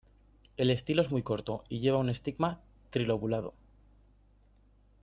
El estilo es muy corto y lleva un estigma trilobulado.